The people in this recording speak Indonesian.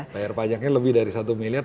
bayar pajaknya lebih dari satu miliar